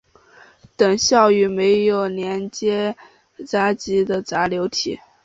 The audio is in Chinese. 等效于没有连接闸极的闸流体。